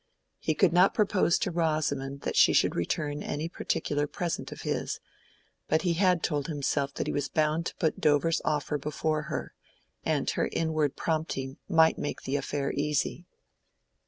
He could not propose to Rosamond that she should return any particular present of his, but he had told himself that he was bound to put Dover's offer before her, and her inward prompting might make the affair easy.